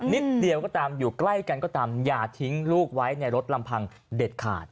นิดเดียวก็ตามอยู่ใกล้กันก็ตามอย่าทิ้งลูกไว้ในรถลำพังเด็ดขาด